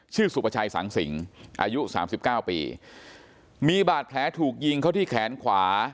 สุประชัยสังสิงอายุสามสิบเก้าปีมีบาดแผลถูกยิงเขาที่แขนขวา